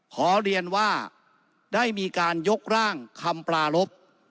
ขอเรียนว่าได้มีการยกร่างคำปลารบ